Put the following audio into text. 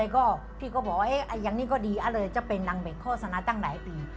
เพราะเลยพี่ก็บอกว่าอย่างนี้ก็ดีอันเลยจะเป็นดังเบ็ดโฆษณาตั้งหลายปี